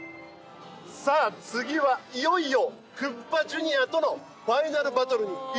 さあ次はいよいよクッパＪｒ．とのファイナルバトルに挑みますよ。